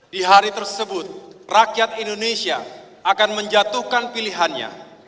di hari tersebut rakyat indonesia akan menjatuhkan pilihannya